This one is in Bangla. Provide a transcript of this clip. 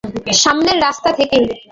সামনের রাস্তা থেকেই।